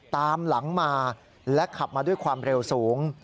ตามหลังมาและขับมาด้วยความเร็วสูง